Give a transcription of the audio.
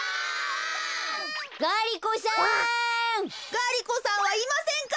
ガリ子さんはいませんか？